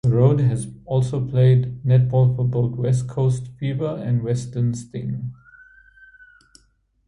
Rohde has also played netball for both West Coast Fever and Western Sting.